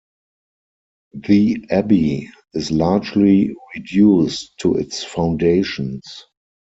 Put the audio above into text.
The abbey is largely reduced to its foundations.